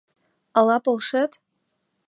Ала полшет?